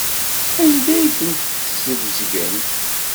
Anda ay ten-tesbezgem?